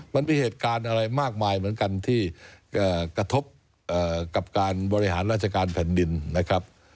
มันมีเหตุการณ์อะไรมากมายเหมือนกันที่กระทบกับการบริหารราชการแผ่นดินนะครับ